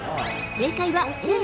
正解はＡ。